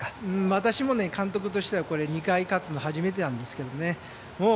私も監督としては２回勝つの初めてなんですけどね。